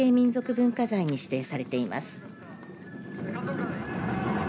文化財に指定されています。